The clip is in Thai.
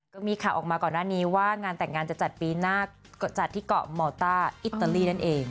ก็มีข่าวออกมาก่อนหน้านี้ว่างานแต่งงานจะจัดปีหน้าก็จัดที่เกาะมอต้าอิตาลีนั่นเอง